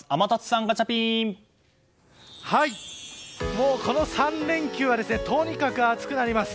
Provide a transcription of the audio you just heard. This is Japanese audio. もう、この３連休はとにかく暑くなります。